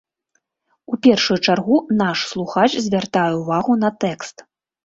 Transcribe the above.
У першую чаргу наш слухач звяртае ўвагу на тэкст.